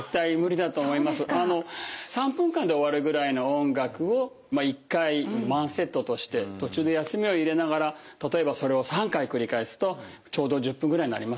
３分間で終わるぐらいの音楽を１回ワンセットとして途中で休みを入れながら例えばそれを３回繰り返すとちょうど１０分ぐらいになりますのでね。